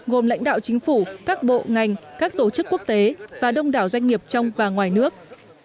gồm lãnh đạo chính phủ các bộ ngành các tổ chức quốc tế và đông đảo doanh nghiệp trong và ngoài nước